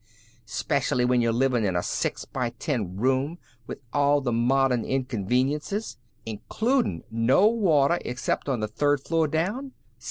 'Specially when you're living in a six by ten room with all the modern inconveniences, includin' no water except on the third floor down.